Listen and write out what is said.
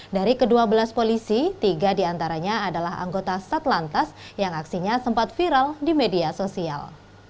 dari ke dua belas polisi tiga diantaranya adalah anggota satlantas yang aksinya sempat viral di media sosial